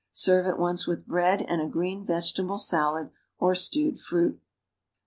Serve at once with bread and a green vegetable salad or stewed fruit. 42 JJst \e.